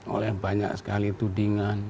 oleh banyak sekali tudingan